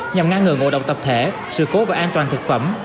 nhằm ngăn ngừa ngộ độc tập thể sự cố và an toàn thực phẩm